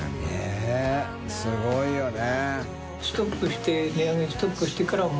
┐Аすごいよね。